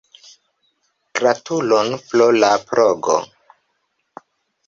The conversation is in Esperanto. Gratulon pro la blogo.